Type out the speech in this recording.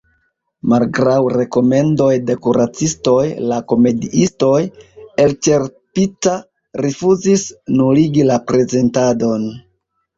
Malgraŭ rekomendoj de kuracistoj, la komediisto, elĉerpita, rifuzis nuligi la prezentadon.